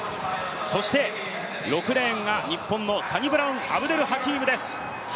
そして６レーンが日本のサニブラウン・アブデルハキームです。